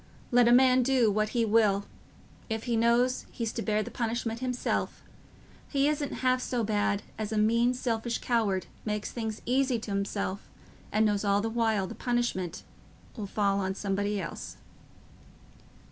Let a man do what he will, if he knows he's to bear the punishment himself, he isn't half so bad as a mean selfish coward as makes things easy t' himself and knows all the while the punishment 'll fall on somebody else."